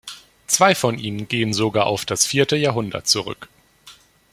Zwei von ihnen gehen sogar auf das vierte Jahrhundert zurück.